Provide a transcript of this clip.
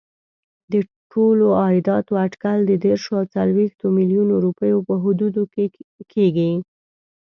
د ټولو عایداتو اټکل د دېرشو او څلوېښتو میلیونو روپیو په حدودو کې کېږي.